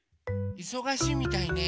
いそがしいみたいね。